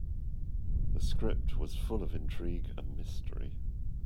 The script was full of intrigue and mystery.